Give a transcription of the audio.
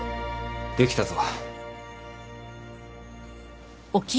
できたぞ。